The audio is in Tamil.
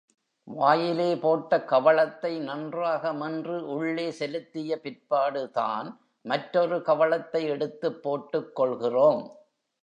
வாயிலே போட்ட கவளத்தை நன்றாக மென்று உள்ளே செலுத்திய பிற்பாடுதான் மற்றொரு கவளத்தை எடுத்துப் போட்டுக் கொள்கிறோம்.